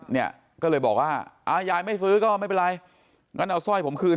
เนี่ยก็เลยบอกว่าอ่ายายไม่ซื้อก็ไม่เป็นไรงั้นเอาสร้อยผมคืน